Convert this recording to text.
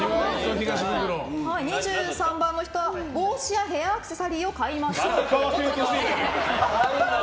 ２３番の人は帽子やヘアアクセサリーをしゃあない、買うか。